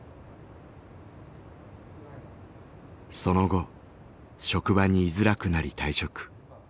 その後職場に居づらくなり退職。